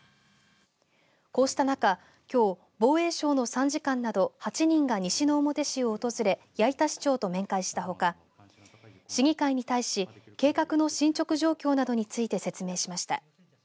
こうした中、きょう防衛省の参事官など８人が西之表市を訪れ八板市長と面会したほか市議会に対し計画の進捗状況などについて説明しました。